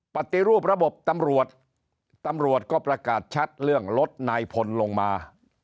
ปฏิรูประบบตำรวจตำรวจก็ประกาศชัดเรื่องรถนายพลลงมา